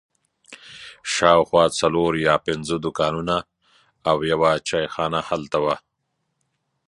شاوخوا څلور یا پنځه دوکانونه او یوه چای خانه هلته وه.